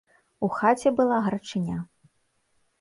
У хаце была гарачыня.